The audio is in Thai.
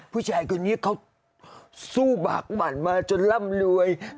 ผู้ชายคนนี้เขาสู้บากหมั่นมาจนร่ำรวย